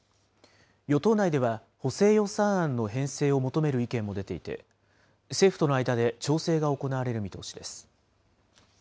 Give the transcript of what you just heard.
与党内では補正予算案の編成を求める意見も出ていて、政府との間で調整が行われる見通しです。